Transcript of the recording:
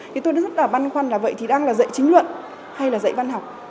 thì tôi rất là băn khoăn là vậy thì đang là dạy chính luận hay là dạy văn học